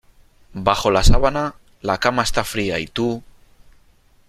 Bajo la sábana la cama está fría y tú...